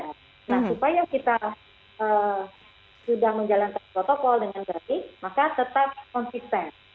nah supaya kita sudah menjalankan protokol dengan baik maka tetap konsisten